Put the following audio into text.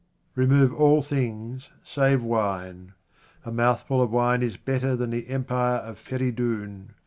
Remove all things save wine. A mouthful of wine is better than the empire of Feridoun.